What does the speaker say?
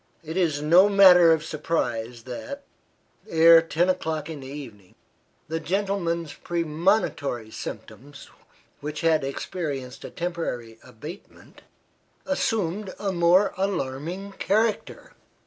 It is no matter of surprise that, ere ten o'clock in the evening, the gentleman's premonitory symptoms, which had experienced a temporary abatement, assumed a more alarming character.